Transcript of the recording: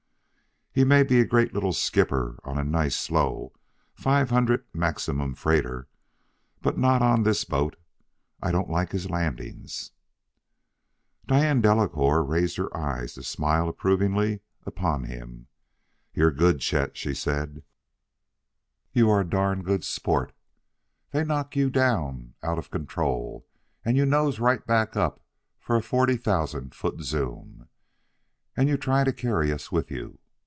He may be a great little skipper on a nice, slow, five hundred maximum freighter, but not on this boat. I don't like his landings." Diane Delacouer raised her eyes to smile approvingly upon him. "You're good, Chet," she said; "you are a darn good sport. They knock you down out of control, and you nose right back up for a forty thousand foot zoom. And you try to carry us with you.